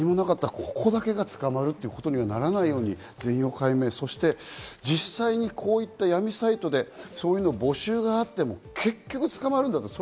ここだけが捕まるということにはならないように全容解明、実際にこういった闇サイトでそういうのを募集があっても結局捕まるんだと。